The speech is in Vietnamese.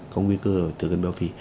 có nguy cơ thừa cân béo phì